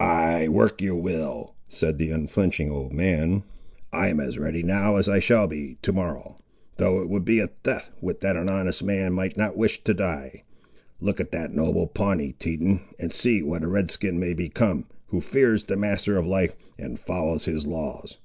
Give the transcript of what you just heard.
"Ay, work your will," said the unflinching old man; "I am as ready now as I shall be to morrow. Though it would be a death that an honest man might not wish to die. Look at that noble Pawnee, Teton, and see what a Red skin may become, who fears the Master of Life, and follows his laws.